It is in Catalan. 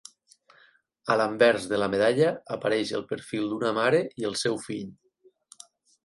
A l'anvers de la medalla apareix el perfil d'una mare i el seu fill.